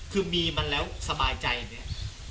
คือมีมันแล้วสบายใจเนี่ย